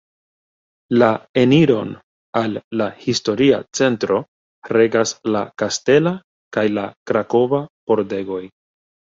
La eniron al la historia centro regas la Kastela kaj la Krakova Pordegoj.